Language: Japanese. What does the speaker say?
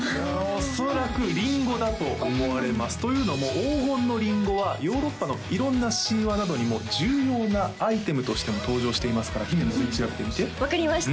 恐らくリンゴだと思われますというのも黄金のリンゴはヨーロッパの色んな神話などにも重要なアイテムとしても登場していますから姫もぜひ調べてみて分かりました